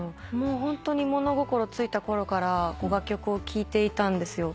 ホントに物心ついたころからご楽曲を聴いていたんですよ。